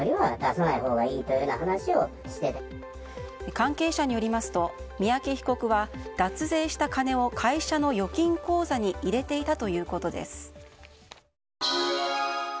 関係者によりますと三宅被告は脱税した金を会社の預金口座に入れていたということです。